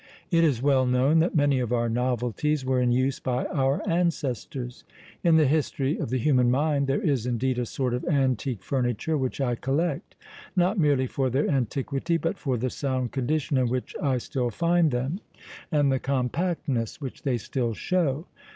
It is well known that many of our novelties were in use by our ancestors! In the history of the human mind there is, indeed, a sort of antique furniture which I collect, not merely for their antiquity, but for the sound condition in which I still find them, and the compactness which they still show.